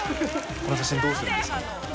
この写真どうするんですか？